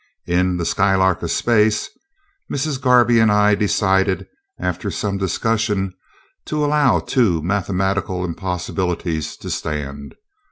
In "The Skylark of Space" Mrs. Garby and I decided, after some discussion, to allow two mathematical impossibilities to stand.